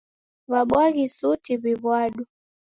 W'abwaghi suti w'iw'ado.